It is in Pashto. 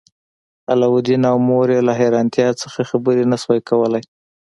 علاوالدین او مور یې له حیرانتیا څخه خبرې نشوای کولی.